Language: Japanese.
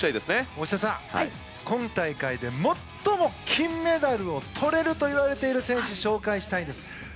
大下さん、今大会で最も金メダルをとれるといわれる選手を紹介したいんです。